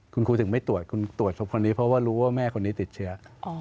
คุณครูถึงไม่ตรวจคุณตรวจศพคนนี้เพราะว่ารู้ว่าแม่คนนี้ติดเชื้อ